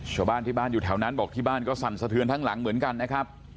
ชาวบ้านที่บ้านอยู่แถวนั้นบอกที่บ้านก็สั่นสะเทือนทั้งหลังเหมือนกันนะครับ